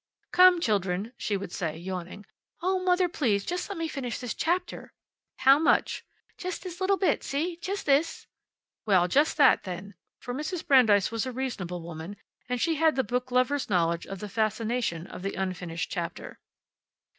"Come, children," she would say, yawning. "Oh, mother, please just let me finish this chapter!" "How much?" "Just this little bit. See? Just this." "Well, just that, then," for Mrs. Brandeis was a reasonable woman, and she had the book lover's knowledge of the fascination of the unfinished chapter.